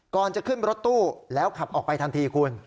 ก่อนจะขึ้นรถตู้แล้วขับออกไปทันทีคุณ